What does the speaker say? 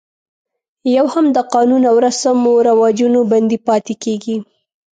یو هم د قانون او رسم و رواجونو بندي پاتې کېږي.